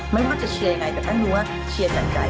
ไม่ว่าจะเชียร์ยังไงแต่แป๊กรู้ว่าเชียร์จากใจ